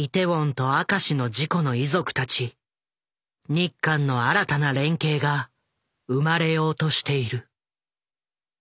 日韓の新たな連携が生まれようとしている。